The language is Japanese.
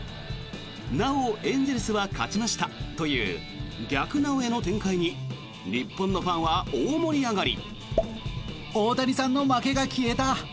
なおエンゼルスは勝ちましたという「逆なおエ」の展開に日本のファンは大盛り上がり。